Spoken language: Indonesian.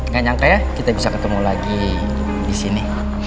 gak nyangka ya kita bisa ketemu lagi di sini